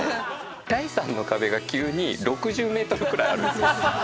第３の壁が急に６０メートルくらいあるんですよ。